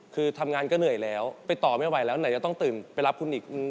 คือทำงานก็เหนื่อยแล้วไปต่อไม่ไหวแล้วไหนจะต้องตื่นไปรับคุณอีก